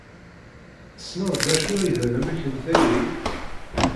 Tessneḍ d acu ay d anamek n tayri?